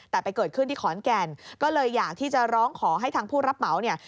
แต่ไปเกิดขึ้นที่ขอนแก่นก็เลยอยากที่จะร้องขอให้ทางผู้รับเหมาเนี่ย